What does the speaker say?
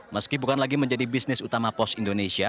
meski bukan lagi menjadi bisnis utama pos indonesia